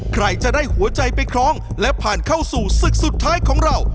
ใครจะได้หัวใจไปคล้องและผ่านเข้าสู่ศึกสุดท้ายของเรา